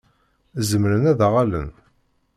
Zemren ad aɣ-allen?